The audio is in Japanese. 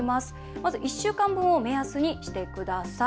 まず１週間分を目安にしてください。